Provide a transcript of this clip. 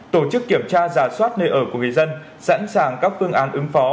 tổ chức kiểm tra giả soát nơi ở của người dân sẵn sàng các phương án ứng phó